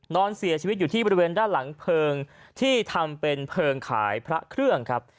นอนเสียชีวิตอยู่ที่บริเวณด้านหลังเพลิงที่ทำเป็นเพลิงขายพระเครื่องครับ